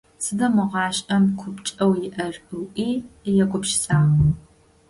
Сыда мы гъашӀэм купкӀэу иӀэр?- ыӀуи егупшысагъ.